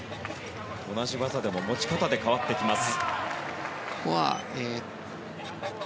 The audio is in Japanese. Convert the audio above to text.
同じ技でも持ち方で変わってきます。